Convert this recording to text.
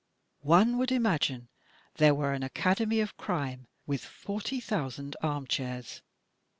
One would imagine there were an Academy of crime with forty thousand armchairs.